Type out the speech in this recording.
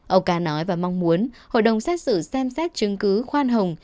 ông ca nói và mong muốn hội đồng xét xử xem xét chứng cứ khoan hồng